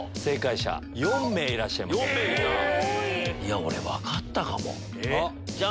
俺分かったかも！